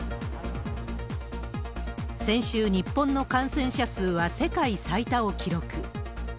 先週、日本の感染者数は世界最多を記録。